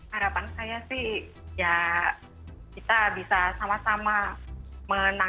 harapan saya sih ya kita bisa sama sama menangani